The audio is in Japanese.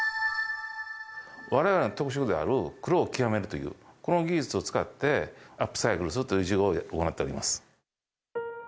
われわれの特色である、黒を極めるという、この技術を使って、アップサイクルするという事業を行っております。